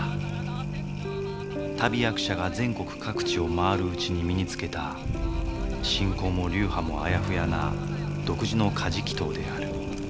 旅役者が全国各地を回るうちに身につけた信仰も流派もあやふやな独自の加持祈祷である。